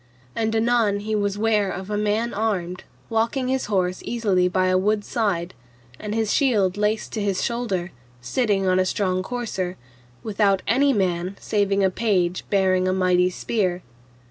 And anon he was ware of a man armed, walking his horse easily by a wood's side, and his shield laced to his shoulder, sitting on a strong courser, without any man saving a page bearing a mighty spear.